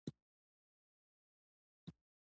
د ستوني د درد لپاره د شاتو او لیمو څاڅکي وکاروئ